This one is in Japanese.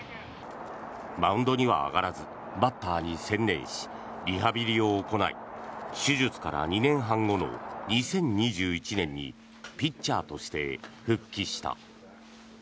マウンドには上がらずバッターに専念しリハビリを行い手術から２年半後の２０２１年にピッチャーとして復帰した。